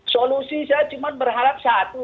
solusi saya cuma berharap satu